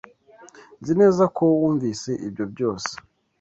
Nzi neza ko wumvise ibyo byose.